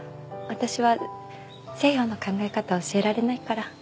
私は西洋の考え方は教えられないから。